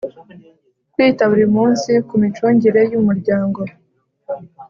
Kwita buri munsi ku micungire y Umuryango